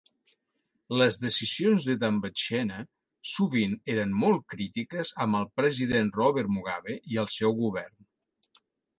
Les decisions de Dumbutshena sovint eren molt crítiques amb el president Robert Mugabe i el seu govern.